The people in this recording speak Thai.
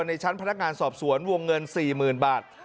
ในชั้นพนักงานสอบสวนวงเงิน๔๐๐๐บาท